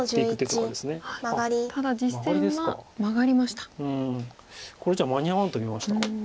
これじゃ間に合わんと見ましたか。